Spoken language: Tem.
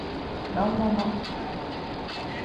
Dam wonoo.